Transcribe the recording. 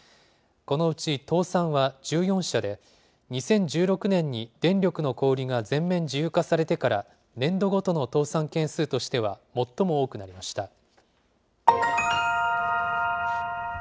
このうち倒産は１４社で、２０１６年に電力の小売りが全面自由化されてから、年度ごとの倒産件数としては最も多くなりました。